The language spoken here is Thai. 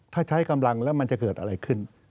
ถ้าใช้กำลังแล้วมันจะเกิดอะไรขึ้น